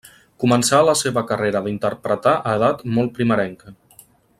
Començà la seva carrera d'interpretar a edat molt primerenca.